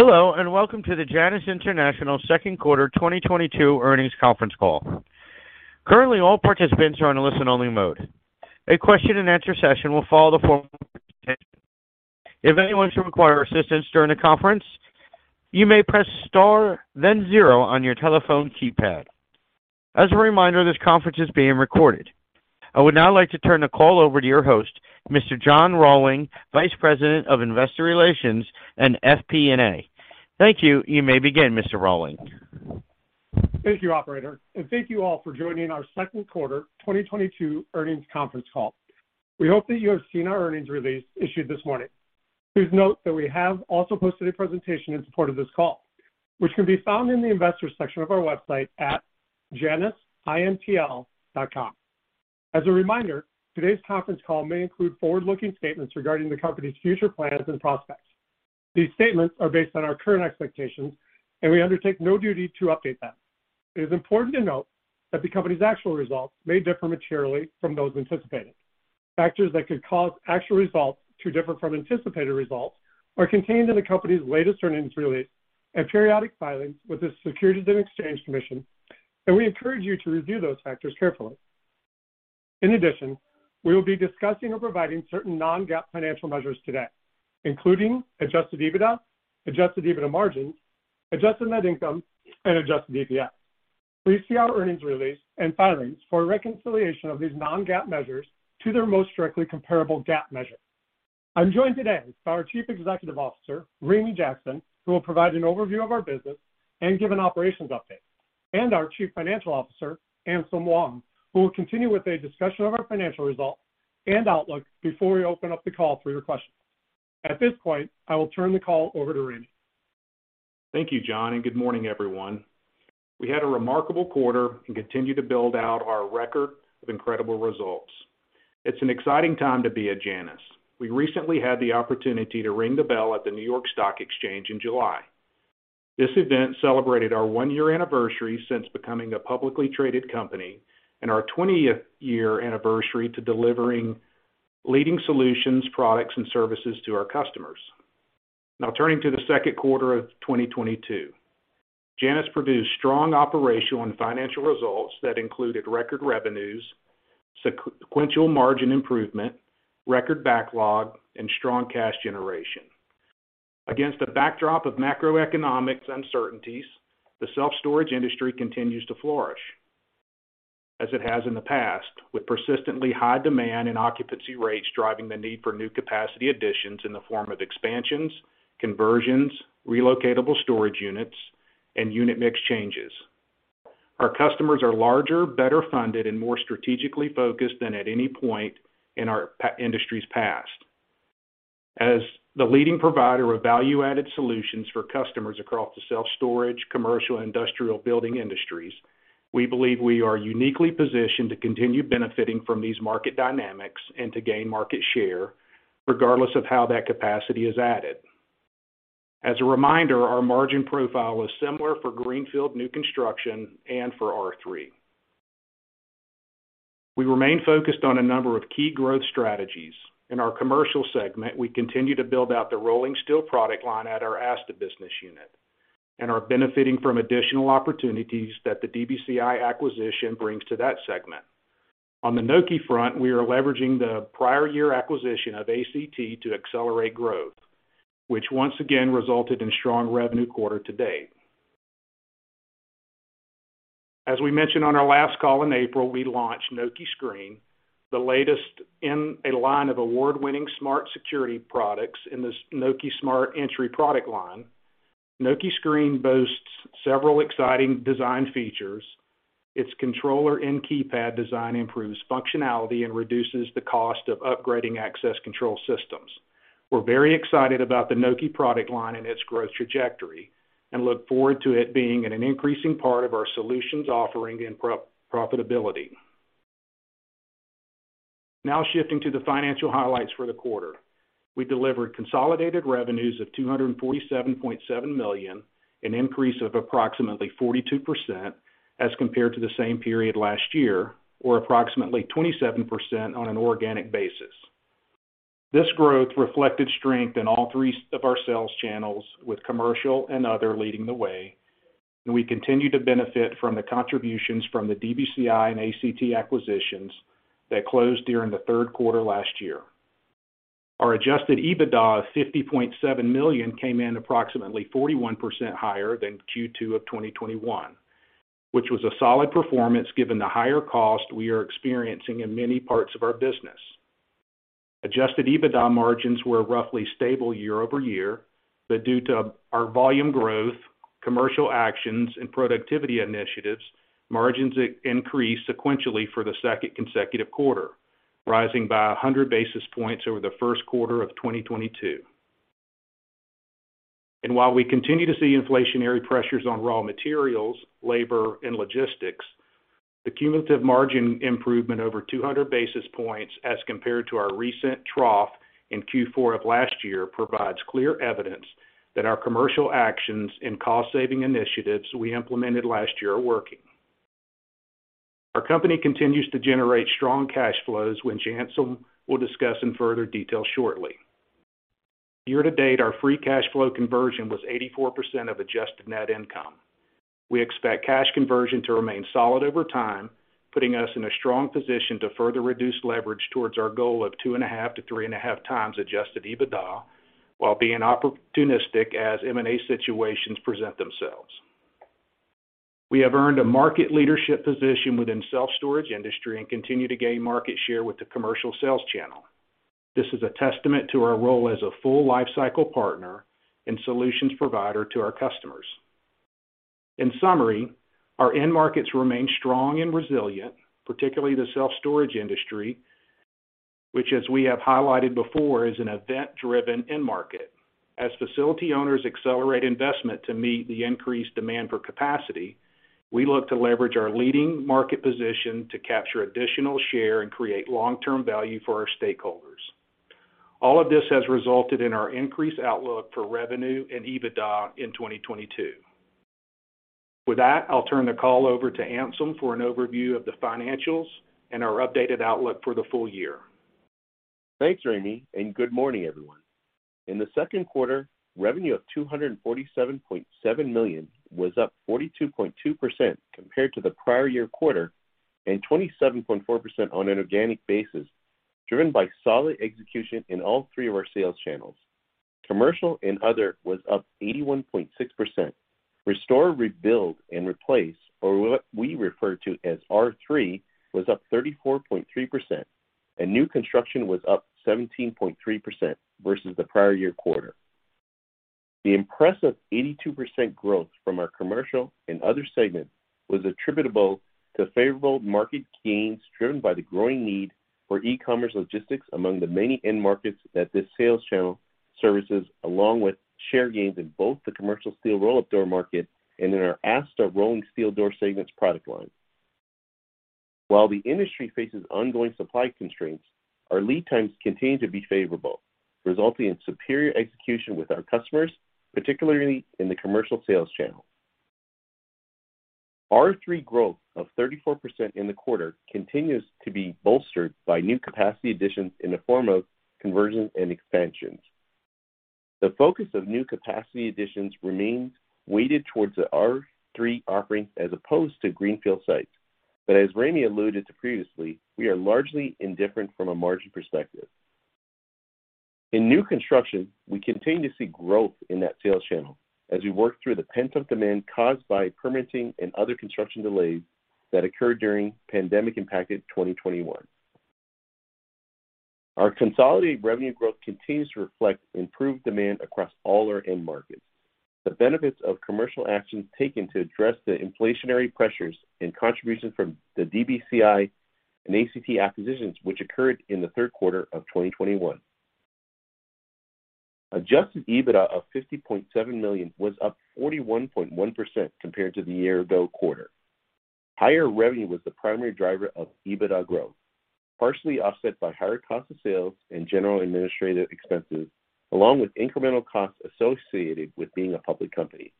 Hello, and welcome to the Janus International Second Quarter 2022 Earnings Conference Call. Currently, all participants are on a listen-only mode. A question-and-answer session will follow the formal presentation. If anyone should require assistance during the conference, you may press star then zero on your telephone keypad. As a reminder, this conference is being recorded. I would now like to turn the call over to your host, Mr. John Rohlwing, Vice President of Investor Relations and FP&A. Thank you. You may begin, Mr. Rohlwing. Thank you, operator, and thank you all for joining our Second Quarter 2022 Earnings Conference Call. We hope that you have seen our earnings release issued this morning. Please note that we have also posted a presentation in support of this call, which can be found in the investors section of our website at janusintl.com. As a reminder, today's conference call may include forward-looking statements regarding the company's future plans and prospects. These statements are based on our current expectations, and we undertake no duty to update them. It is important to note that the company's actual results may differ materially from those anticipated. Factors that could cause actual results to differ from anticipated results are contained in the company's latest earnings release and periodic filings with the Securities and Exchange Commission, and we encourage you to review those factors carefully. In addition, we will be discussing or providing certain non-GAAP financial measures today, including adjusted EBITDA, adjusted EBITDA margins, adjusted net income, and adjusted EPS. Please see our earnings release and filings for a reconciliation of these non-GAAP measures to their most directly comparable GAAP measure. I'm joined today by our Chief Executive Officer, Ramey Jackson, who will provide an overview of our business and give an operations update, and our Chief Financial Officer, Anselm Wong, who will continue with a discussion of our financial results and outlook before we open up the call for your questions. At this point, I will turn the call over to Ramey. Thank you, John, and good morning, everyone. We had a remarkable quarter and continue to build out our record of incredible results. It's an exciting time to be at Janus. We recently had the opportunity to ring the bell at the New York Stock Exchange in July. This event celebrated our one-year anniversary since becoming a publicly traded company and our 28th-year anniversary to delivering leading solutions, products, and services to our customers. Now turning to the second quarter of 2022. Janus produced strong operational and financial results that included record revenues, sequential margin improvement, record backlog, and strong cash generation. Against the backdrop of macroeconomic uncertainties, the self-storage industry continues to flourish as it has in the past, with persistently high demand and occupancy rates driving the need for new capacity additions in the form of expansions, conversions, relocatable storage units, and unit mix changes. Our customers are larger, better funded, and more strategically focused than at any point in our industry's past. As the leading provider of value-added solutions for customers across the self-storage, commercial, industrial building industries, we believe we are uniquely positioned to continue benefiting from these market dynamics and to gain market share regardless of how that capacity is added. As a reminder, our margin profile was similar for greenfield new construction and for R3. We remain focused on a number of key growth strategies. In our commercial segment, we continue to build out the rolling steel product line at our ASTA business unit and are benefiting from additional opportunities that the DBCI acquisition brings to that segment. On the Nokē front, we are leveraging the prior year acquisition of ACT to accelerate growth, which once again resulted in strong revenue quarter-to-date. As we mentioned on our last call in April, we launched Nokē Screen, the latest in a line of award-winning smart security products in this Nokē Smart Entry product line. Nokē Screen boasts several exciting design features. Its controller and keypad design improves functionality and reduces the cost of upgrading access control systems. We're very excited about the Nokē product line and its growth trajectory and look forward to it being an increasing part of our solutions offering and profitability. Now shifting to the financial highlights for the quarter. We delivered consolidated revenues of $247.7 million, an increase of approximately 42% as compared to the same period last year or approximately 27% on an organic basis. This growth reflected strength in all three of our sales channels with commercial and other leading the way, and we continue to benefit from the contributions from the DBCI and ACT acquisitions that closed during the third quarter last year. Our adjusted EBITDA of $50.7 million came in approximately 41% higher than Q2 of 2021, which was a solid performance given the higher cost we are experiencing in many parts of our business. Adjusted EBITDA margins were roughly stable year-over-year, but due to our volume growth, commercial actions, and productivity initiatives, margins increased sequentially for the second consecutive quarter, rising by 100 basis points over the first quarter of 2022. While we continue to see inflationary pressures on raw materials, labor, and logistics, the cumulative margin improvement over 200 basis points as compared to our recent trough in Q4 of last year provides clear evidence that our commercial actions and cost-saving initiatives we implemented last year are working. Our company continues to generate strong cash flows, which Anselm will discuss in further detail shortly. Year-to-date, our free cash flow conversion was 84% of adjusted net income. We expect cash conversion to remain solid over time, putting us in a strong position to further reduce leverage towards our goal of 2.5x-3.5x adjusted EBITDA, while being opportunistic as M&A situations present themselves. We have earned a market leadership position within self-storage industry and continue to gain market share with the commercial sales channel. This is a testament to our role as a full lifecycle partner and solutions provider to our customers. In summary, our end markets remain strong and resilient, particularly the self-storage industry, which as we have highlighted before, is an event-driven end market. As facility owners accelerate investment to meet the increased demand for capacity, we look to leverage our leading market position to capture additional share and create long-term value for our stakeholders. All of this has resulted in our increased outlook for revenue and EBITDA in 2022. With that, I'll turn the call over to Anselm for an overview of the financials and our updated outlook for the full year. Thanks, Ramey, and good morning, everyone. In the second quarter, revenue of $247.7 million was up 42.2% compared to the prior-year quarter and 27.4% on an organic basis, driven by solid execution in all three of our sales channels. Commercial and other was up 81.6%. Restore, Rebuild, and Replace, or what we refer to as R3, was up 34.3%. New construction was up 17.3% versus the prior-year quarter. The impressive 82% growth from our commercial and other segments was attributable to favorable market gains driven by the growing need for e-commerce logistics among the many end markets that this sales channel services along with share gains in both the commercial steel roll-up door market and in our ASTA rolling steel door segments product line. While the industry faces ongoing supply constraints, our lead times continue to be favorable, resulting in superior execution with our customers, particularly in the commercial sales channel. R3 growth of 34% in the quarter continues to be bolstered by new capacity additions in the form of conversions and expansions. The focus of new capacity additions remains weighted towards the R3 offerings as opposed to greenfield sites. As Ramey alluded to previously, we are largely indifferent from a margin perspective. In new construction, we continue to see growth in that sales channel as we work through the pent-up demand caused by permitting and other construction delays that occurred during pandemic impacted 2021. Our consolidated revenue growth continues to reflect improved demand across all our end markets. The benefits of commercial actions taken to address the inflationary pressures and contributions from the DBCI and ACT acquisitions, which occurred in the third quarter of 2021. Adjusted EBITDA of $50.7 million was up 41.1% compared to the year-ago quarter. Higher revenue was the primary driver of EBITDA growth, partially offset by higher cost of sales and general administrative expenses, along with incremental costs associated with being a public company.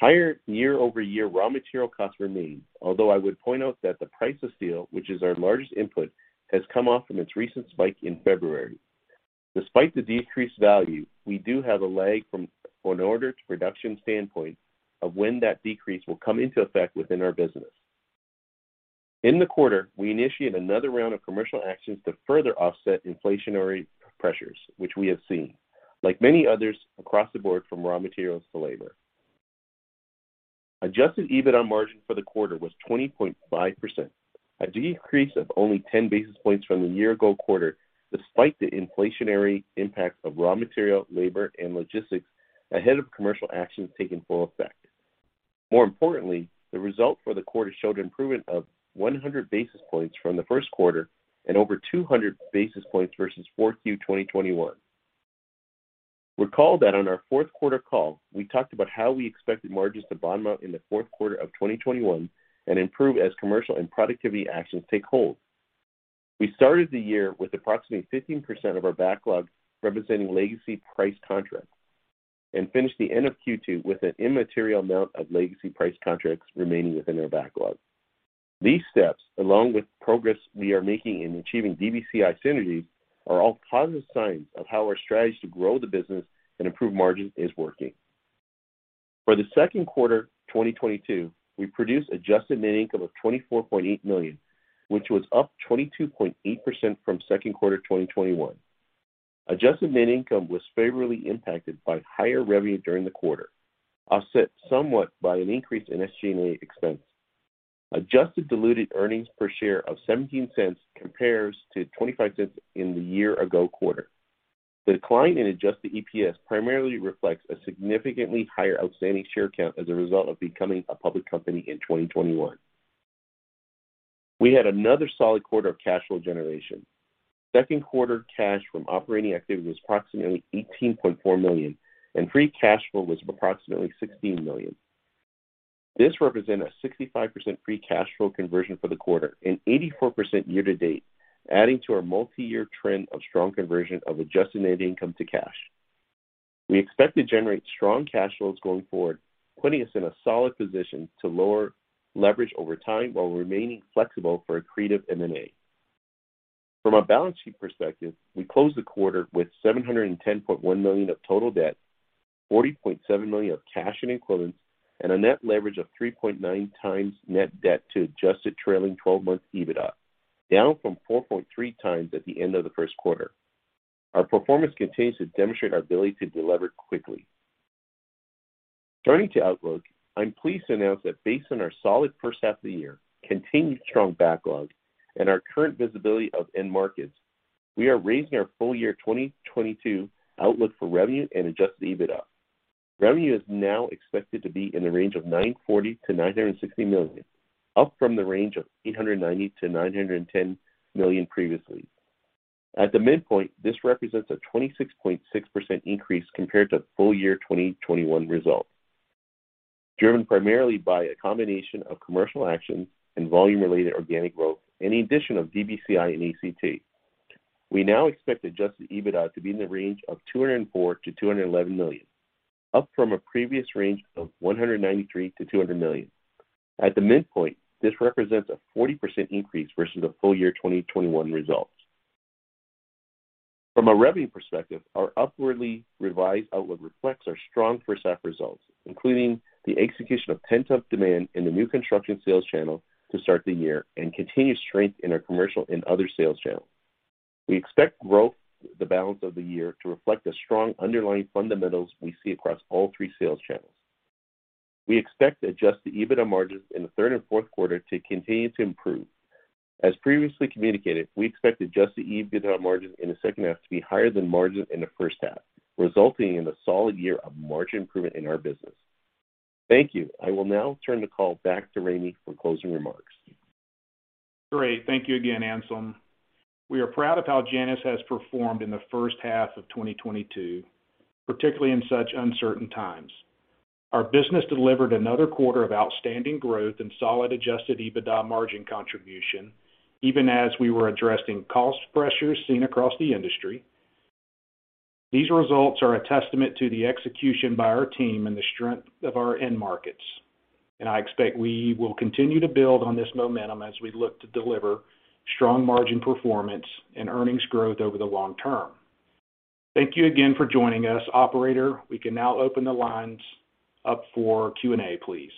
Higher year-over-year raw material costs remained, although I would point out that the price of steel, which is our largest input, has come off from its recent spike in February. Despite the decreased value, we do have a lag from an order to production standpoint of when that decrease will come into effect within our business. In the quarter, we initiated another round of commercial actions to further offset inflationary pressures, which we have seen, like many others across the board from raw materials to labor. Adjusted EBITDA margin for the quarter was 20.5%, a decrease of only 10 basis points from the year-ago quarter, despite the inflationary impact of raw material, labor, and logistics ahead of commercial actions taking full effect. More importantly, the result for the quarter showed an improvement of 100 basis points from the first quarter and over 200 basis points versus 4Q 2021. Recall that on our fourth quarter call, we talked about how we expected margins to bottom out in the fourth quarter of 2021 and improve as commercial and productivity actions take hold. We started the year with approximately 15% of our backlog representing legacy price contracts and finished the end of Q2 with an immaterial amount of legacy price contracts remaining within our backlog. These steps, along with progress we are making in achieving DBCI synergies, are all positive signs of how our strategy to grow the business and improve margin is working. For the second quarter 2022, we produced adjusted net income of $24.8 million, which was up 22.8% from second quarter 2021. Adjusted net income was favorably impacted by higher revenue during the quarter, offset somewhat by an increase in SG&A expense. Adjusted diluted earnings per share of $0.17 compares to $0.25 in the year-ago quarter. The decline in adjusted EPS primarily reflects a significantly higher outstanding share count as a result of becoming a public company in 2021. We had another solid quarter of cash flow generation. Second quarter cash from operating activities was approximately $18.4 million, and free cash flow was approximately $16 million. This represent a 65% free cash flow conversion for the quarter and 84% year-to-date, adding to our multi-year trend of strong conversion of adjusted net income to cash. We expect to generate strong cash flows going forward, putting us in a solid position to lower leverage over time while remaining flexible for accretive M&A. From a balance sheet perspective, we closed the quarter with $710.1 million of total debt, $40.7 million of cash and equivalents, and a net leverage of 3.9x net debt to adjusted trailing 12 months EBITDA, down from 4.3x at the end of the first quarter. Our performance continues to demonstrate our ability to deleverage quickly. Turning to outlook, I'm pleased to announce that based on our solid first half of the year, continued strong backlog, and our current visibility of end markets, we are raising our full-year 2022 outlook for revenue and adjusted EBITDA. Revenue is now expected to be in the range of $940 million-$960 million, up from the range of $890 million-$910 million previously. At the midpoint, this represents a 26.6% increase compared to full-year 2021 results, driven primarily by a combination of commercial actions and volume-related organic growth, and the addition of DBCI and ACT. We now expect adjusted EBITDA to be in the range of $204 million-$211 million, up from a previous range of $193 million-$200 million. At the midpoint, this represents a 40% increase versus the full-year 2021 results. From a revenue perspective, our upwardly revised outlook reflects our strong first half results, including the execution of pent-up demand in the new construction sales channel to start the year and continued strength in our commercial and other sales channels. We expect growth the balance of the year to reflect the strong underlying fundamentals we see across all three sales channels. We expect adjusted EBITDA margins in the third and fourth quarter to continue to improve. As previously communicated, we expect adjusted EBITDA margins in the second half to be higher than margins in the first half, resulting in a solid year of margin improvement in our business. Thank you. I will now turn the call back to Ramey for closing remarks. Great. Thank you again, Anselm. We are proud of how Janus has performed in the first half of 2022, particularly in such uncertain times. Our business delivered another quarter of outstanding growth and solid adjusted EBITDA margin contribution, even as we were addressing cost pressures seen across the industry. These results are a testament to the execution by our team and the strength of our end markets. I expect we will continue to build on this momentum as we look to deliver strong margin performance and earnings growth over the long term. Thank you again for joining us. Operator, we can now open the lines up for Q&A, please.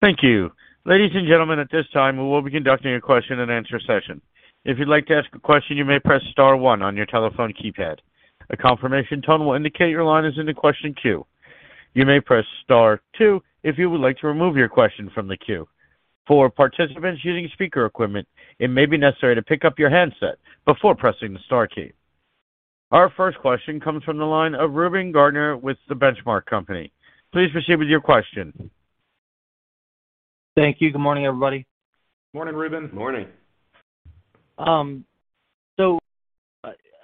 Thank you. Ladies and gentlemen, at this time, we will be conducting a question-and-answer session. If you'd like to ask a question, you may press star one on your telephone keypad. A confirmation tone will indicate your line is in the question queue. You may press star two if you would like to remove your question from the queue. For participants using speaker equipment, it may be necessary to pick up your handset before pressing the star key. Our first question comes from the line of Reuben Garner with The Benchmark Company. Please proceed with your question. Thank you. Good morning, everybody. Morning, Reuben. Morning.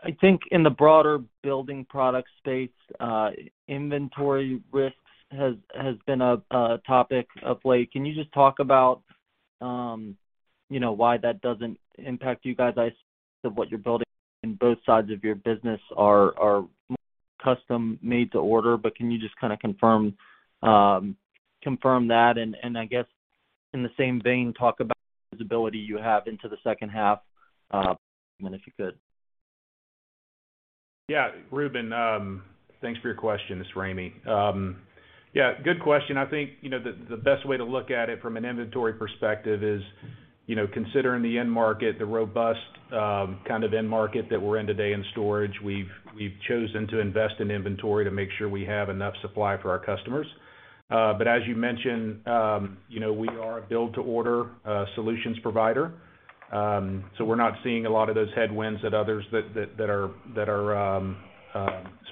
I think in the broader building product space, inventory risks has been a topic of late. Can you just talk about, you know, why that doesn't impact you guys? I assume what you're building in both sides of your business are more custom made to order, but can you just kinda confirm that? I guess in the same vein, talk about the visibility you have into the second half, if you could. Yeah. Reuben, thanks for your question. This is Ramey. Yeah, good question. I think, you know, the best way to look at it from an inventory perspective is, you know, considering the end market, the robust kind of end market that we're in today in storage, we've chosen to invest in inventory to make sure we have enough supply for our customers. As you mentioned, you know, we are a build to order solutions provider, so we're not seeing a lot of those headwinds that others that are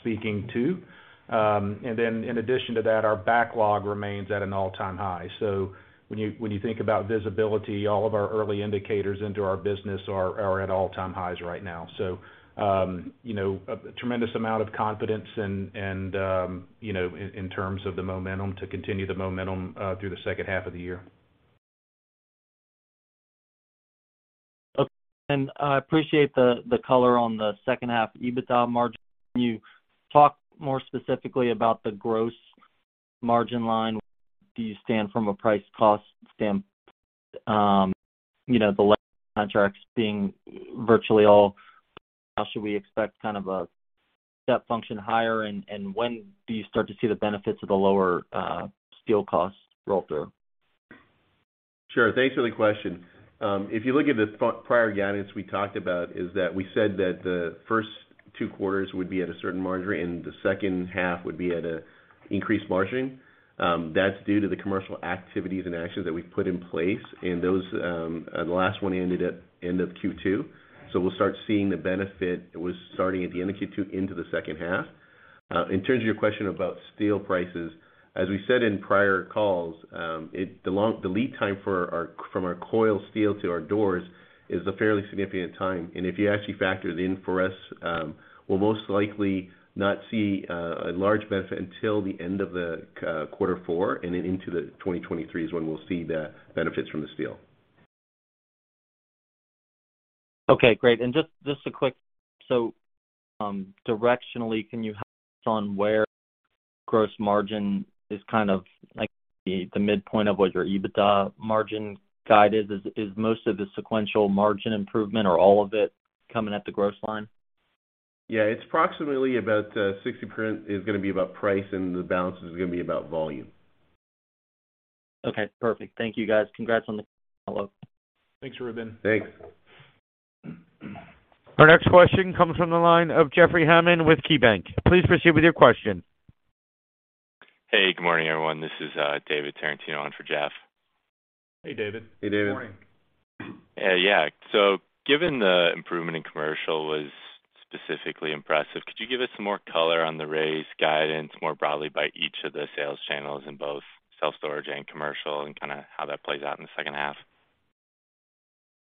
speaking to. In addition to that, our backlog remains at an all-time high. When you think about visibility, all of our early indicators into our business are at all-time highs right now. You know, a tremendous amount of confidence and you know, in terms of the momentum to continue the momentum through the second half of the year. Okay. I appreciate the color on the second half EBITDA margin. Can you talk more specifically about the gross margin line? Where do you stand from a price cost standpoint? You know, the contracts being virtually all, how should we expect kind of a step function higher, and when do you start to see the benefits of the lower steel costs roll through? Sure. Thanks for the question. If you look at the prior guidance we talked about is that we said that the first two quarters would be at a certain margin rate, and the second half would be at an increased margin. That's due to the commercial activities and actions that we've put in place. Those, the last one ended at end of Q2. We'll start seeing the benefit starting at the end of Q2 into the second half. In terms of your question about steel prices, as we said in prior calls, the lead time from our coil steel to our doors is a fairly significant time. If you actually factor it in for us, we'll most likely not see a large benefit until the end of the quarter four and then into the 2023 is when we'll see the benefits from the steel. Okay, great. Just a quick, directionally, can you comment on where gross margin is kind of like the midpoint of what your EBITDA margin guidance is? Is most of the sequential margin improvement or all of it coming at the gross line? Yeah, it's approximately about 60% is gonna be about price and the balance is gonna be about volume. Okay, perfect. Thank you, guys. Congrats on the Thanks, Reuben. Thanks. Our next question comes from the line of Jeffrey D. Hammond with KeyBanc. Please proceed with your question. Hey, good morning, everyone. This is David Tarantino on for Jeff. Hey, David. Hey, David. Good morning. Given the improvement in commercial was specifically impressive, could you give us some more color on the raised guidance more broadly by each of the sales channels in both self-storage and commercial and kinda how that plays out in the second half?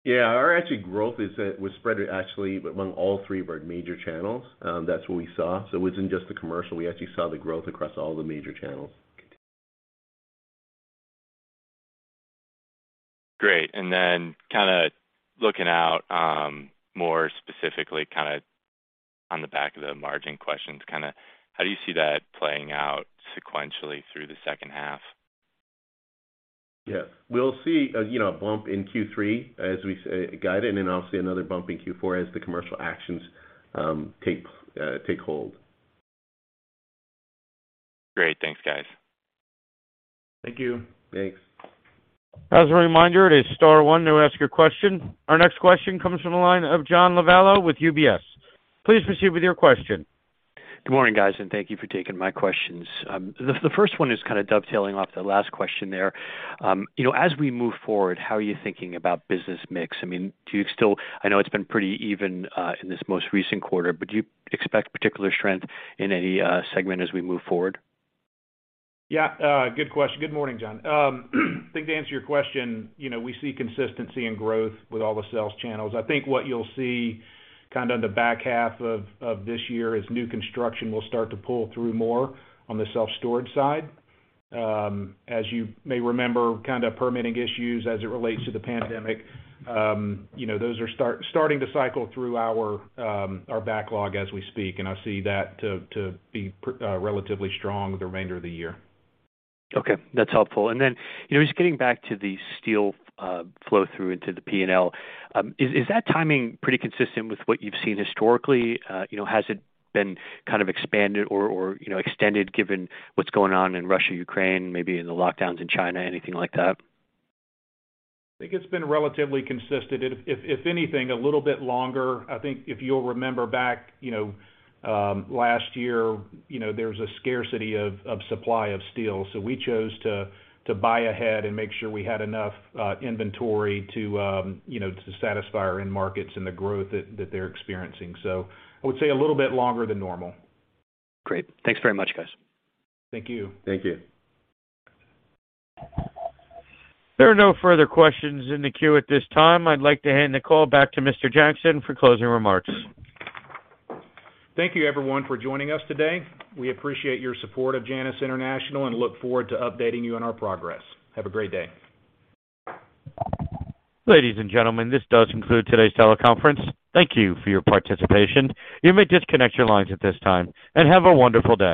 Yeah. Our actually growth was spread actually among all three of our major channels. That's what we saw. It wasn't just the commercial. We actually saw the growth across all the major channels. Great. Kinda looking out, more specifically, kinda on the back of the margin questions, kinda how do you see that playing out sequentially through the second half? Yeah. We'll see, you know, a bump in Q3 as we guided, and then I'll see another bump in Q4 as the commercial actions take hold. Great. Thanks, guys. Thank you. Thanks. As a reminder, it is star one to ask your question. Our next question comes from the line of John Lovallo with UBS. Please proceed with your question. Good morning, guys, and thank you for taking my questions. The first one is kinda dovetailing off the last question there. You know, as we move forward, how are you thinking about business mix? I mean, do you still, I know it's been pretty even in this most recent quarter, but do you expect particular strength in any segment as we move forward? Yeah, good question. Good morning, John. I think to answer your question, you know, we see consistency in growth with all the sales channels. I think what you'll see kinda in the back half of this year is new construction will start to pull through more on the self-storage side. As you may remember, kinda permitting issues as it relates to the pandemic, you know, those are starting to cycle through our backlog as we speak, and I see that to be relatively strong the remainder of the year. Okay, that's helpful. You know, just getting back to the steel, flow through into the P&L, is that timing pretty consistent with what you've seen historically? You know, has it been kind of expanded or, you know, extended given what's going on in Russia, Ukraine, maybe in the lockdowns in China, anything like that? I think it's been relatively consistent. If anything, a little bit longer. I think if you'll remember back, you know, last year, you know, there was a scarcity of supply of steel, so we chose to buy ahead and make sure we had enough inventory to you know to satisfy our end markets and the growth that they're experiencing. I would say a little bit longer than normal. Great. Thanks very much, guys. Thank you. Thank you. There are no further questions in the queue at this time. I'd like to hand the call back to Mr. Jackson for closing remarks. Thank you, everyone, for joining us today. We appreciate your support of Janus International and look forward to updating you on our progress. Have a great day. Ladies and gentlemen, this does conclude today's teleconference. Thank you for your participation. You may disconnect your lines at this time, and have a wonderful day.